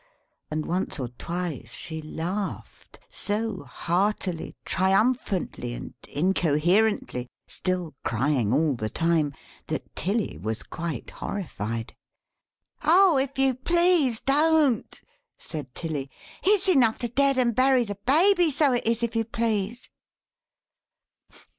and once or twice she laughed; so heartily, triumphantly, and incoherently (still crying all the time), that Tilly was quite horrified. "Ow if you please don't!" said Tilly. "It's enough to dead and bury the Baby, so it is if you please."